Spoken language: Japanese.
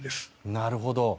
なるほど。